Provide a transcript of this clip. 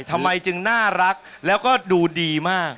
ทำไมจึงน่ารักแล้วก็ดูดีมาก